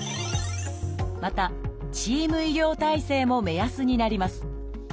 またチーム医療体制も目安になります。